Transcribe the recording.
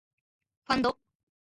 ファンド